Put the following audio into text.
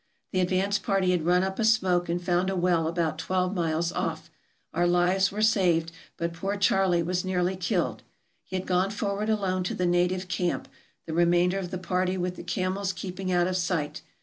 The advance party had run up a smoke and found a well about twelve miles off. Our lives were saved, but poor Charley was nearly killed. He had gone forward alone to the native camp, the remainder of the party with the camels keeping out of sight.